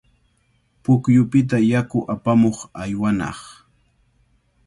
Pukyupita yaku apamuq aywanaq.